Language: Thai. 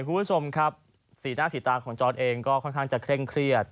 คุณผู้ชมครับสีหน้าสีตาของจอร์ดเองก็ค่อนข้างจะเคร่งเครียด